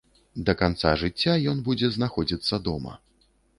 Да канца жыцця ён будзе знаходзіцца дома.